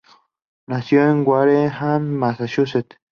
Nació en Wareham, Massachusetts.